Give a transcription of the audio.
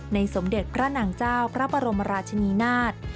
สมเด็จพระนางเจ้าพระบรมราชนีนาฏ